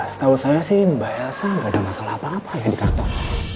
setahu saya sih mbak elsa nggak ada masalah apa apa ya di kantor